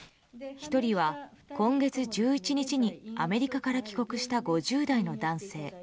１人は、今月１１日にアメリカから帰国した５０代の男性。